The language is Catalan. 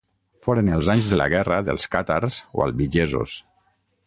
Foren els anys de la guerra dels càtars o albigesos.